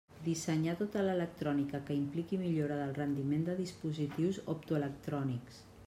Dissenyar tota l'electrònica que impliqui millora del rendiment de dispositius optoelectrònics.